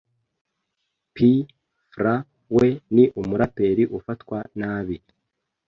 P fla we ni umuraperi ufatwa nabi